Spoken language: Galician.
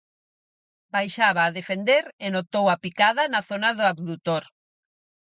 Baixaba a defender e notou a picada na zona do abdutor.